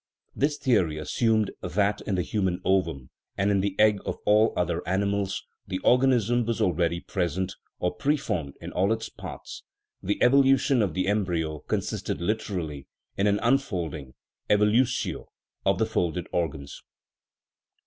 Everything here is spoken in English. " This theory assumed that in the human ovum and in the egg of all other animals the organism was already present, or " preformed," in all its parts ; the " evolution " of the embryo consisted literally in an " unfolding " (evo lutio) of the folded organs.